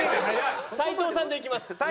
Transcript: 斎藤さんでいきます。